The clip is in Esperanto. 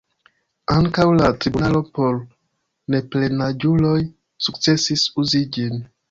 Ankaŭ la tribunalo por neplenaĝuloj sukcesis uzi ĝin.